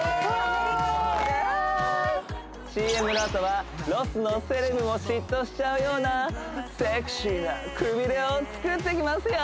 ＣＭのあとはロスのセレブも嫉妬しちゃうようなセクシーなくびれを作っていきますよ